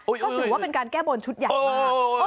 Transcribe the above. ก็ถือว่าเป็นการแก้บนชุดใหญ่มาก